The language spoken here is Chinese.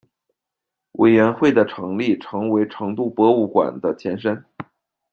委员会的成立成为成都博物馆的前身。